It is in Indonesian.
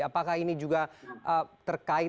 apakah ini juga terkait